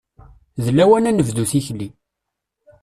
D lawan ad nebdu tikli.